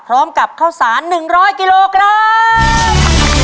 พร้อมกับข้าวสาร๑๐๐กิโลกรั้ม